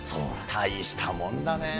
大したもんだね。